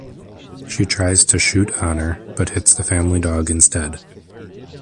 She tries to shoot Honor, but hits the family dog instead.